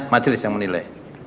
majelis yang menilai